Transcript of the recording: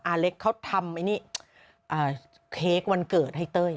อาเล็กเขาทำเค้กวันเกิดให้เต้ย